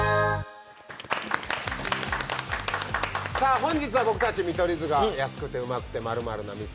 本日は僕たち見取り図が「安くてウマくて○○な店」